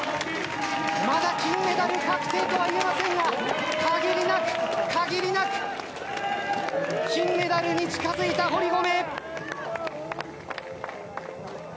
まだ金メダル確定とは言えませんが限りなく、限りなく金メダルに近づいた、堀米！